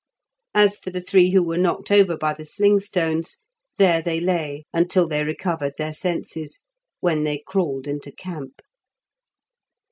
As for the three who were knocked over by the sling stones, there they lay until they recovered their senses, when they crawled into camp.